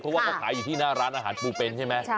เพราะว่าเขาขายอยู่ที่หน้าร้านอาหารปูเป็นใช่ไหม